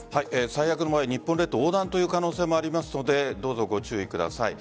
最悪の場合日本列島横断という可能性もありますのでどうぞご注意ください。